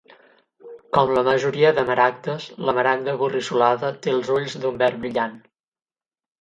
Com la majoria de maragdes, la maragda aborrissolada té els ulls d'un verd brillant.